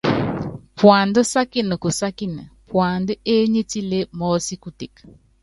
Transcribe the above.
Puandá sákíni kusákíni, puandá ényítilé mɔɔ́sí kuteke.